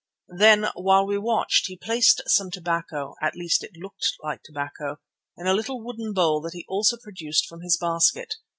Then while we watched he placed some tobacco, at least it looked like tobacco, in a little wooden bowl that he also produced from his basket.